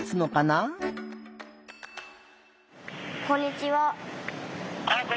ああこんにちは。